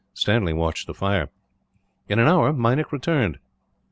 Stanley watched the fire. In an hour, Meinik returned.